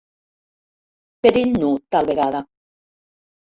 Perill nu, tal vegada.